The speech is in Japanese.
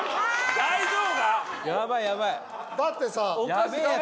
だってさ